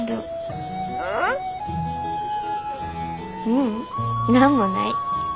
ううん何もない。